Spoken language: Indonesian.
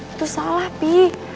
itu salah pi